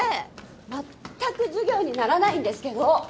まったく授業にならないんですけど！